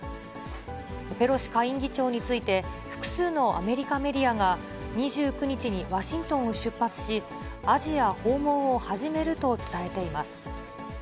ペロシ下院議長について、複数のアメリカメディアが、２９日にワシントンを出発し、アジア訪問を始めると伝えています。